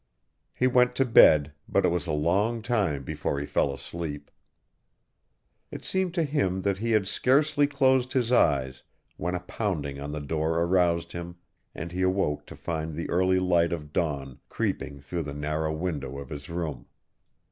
He went to bed, but it was a long time before he fell asleep. It seemed to him that he had scarcely closed his eyes when a pounding on the door aroused him and he awoke to find the early light of dawn creeping through the narrow window of his room.